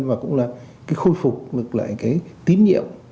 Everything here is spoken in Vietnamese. và cũng là khôi phục lại tín nhiệm